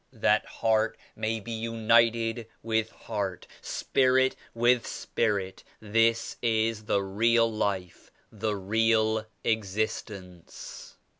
That heart may be united with heart, Spirit with Spirit — this is the real life, the real existence.